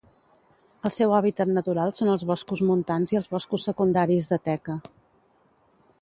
El seu hàbitat natural són els boscos montans i els boscos secundaris de teca.